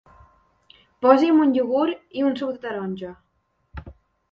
Posi'm un iogurt i un suc de taronja.